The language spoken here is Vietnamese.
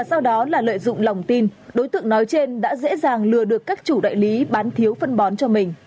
sau đó là lợi dụng lòng tin đối tượng nói trên đã dễ dàng lừa được các chủ đại lý bán thiếu phân bón cho mình